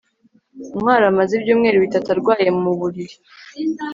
ntwali amaze ibyumweru bitatu arwaye mu buriri